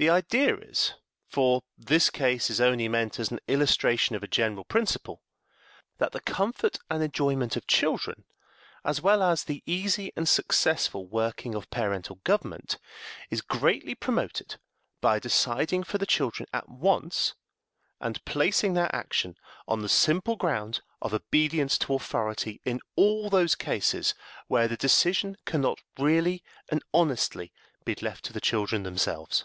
The idea is for this case is only meant as an illustration of a general principle that the comfort and enjoyment of children, as well as the easy and successful working of parental government, is greatly promoted by deciding for the children at once, and placing their action on the simple ground of obedience to authority in all those cases where the decision can not really and honestly be left to the children themselves.